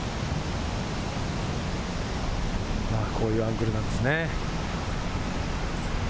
こういうアングルなんですね。